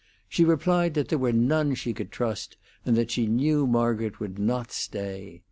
She replied that there were none she could trust, and that she knew Margaret would not stay.